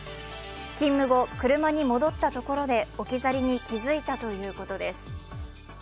勤務後、車に戻ったところで置き去りに気付いたということです。